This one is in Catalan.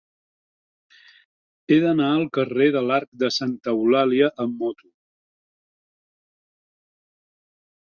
He d'anar al carrer de l'Arc de Santa Eulàlia amb moto.